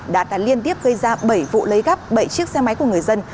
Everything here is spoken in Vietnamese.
đã liên tiếp gây ra bảy vụ lấy gắp bảy chiếc xe máy của người dân